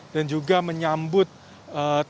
dan juga menyambutkan